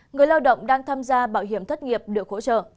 người lao động đang tham gia bảo hiểm thất nghiệp được hỗ trợ